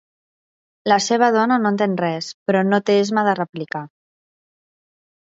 La seva dona no entén res, però no té esma de replicar.